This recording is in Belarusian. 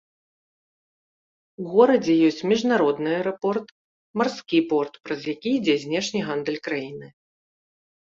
У горадзе ёсць міжнародны аэрапорт, марскі порт, праз які ідзе знешні гандаль краіны.